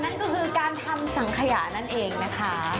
นั่นก็คือการทำสังขยะนั่นเองนะคะ